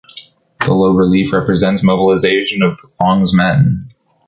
The low relief represents mobilization of the Long’s men.